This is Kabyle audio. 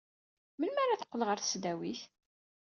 Melmi ara teqqel ɣer tesdawit?